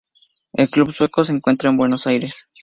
El Club Sueco se encuentra en Buenos Aires.